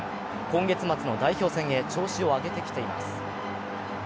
今月末の代表選へ調子を上げてきています。